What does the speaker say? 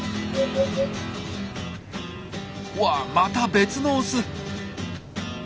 わっまた別のオス！